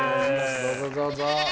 どうぞどうぞ。